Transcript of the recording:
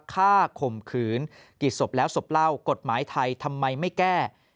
ข่มขืนกี่ศพแล้วศพเล่ากฎหมายไทยทำไมไม่แก้